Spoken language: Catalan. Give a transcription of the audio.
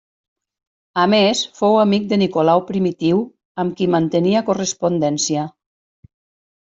A més fou amic de Nicolau Primitiu, amb qui mantenia correspondència.